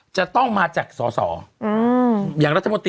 จะต้องมาจากสอสอ